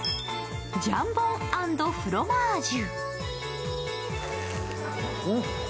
ジャンボン＆フロマージュ。